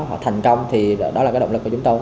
họ thành công thì đó là cái động lực của chúng tôi